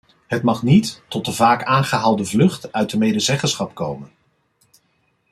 Het mag niet tot de vaak aangehaalde vlucht uit de medezeggenschap komen.